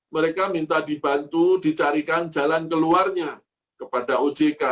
mereka minta dibantu dicarikan jalan keluarnya kepada ojk